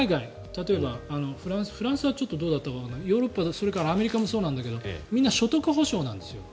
例えばフランスフランスはどうだったかわからないけどヨーロッパ、それからアメリカもそうなんだけどみんな所得保証なんですよ。